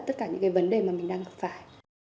tất cả những cái vấn đề mà mình đang gặp phải